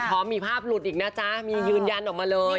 พร้อมมีภาพหลุดอีกนะจ๊ะมียืนยันออกมาเลย